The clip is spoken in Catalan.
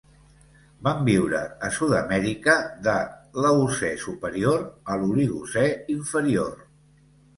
Van viure a Sud-amèrica de l'Eocè superior a l'Oligocè inferior.